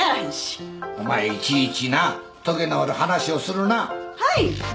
お前いちいちなとげのある話をするな。